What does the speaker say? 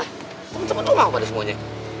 temen temen lo mau pada semuanya